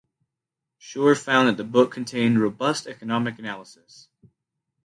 Shure found that the book contained "robust economic analysis".